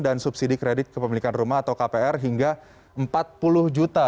dan subsidi kredit kepemilikan rumah atau kpr hingga rp empat puluh juta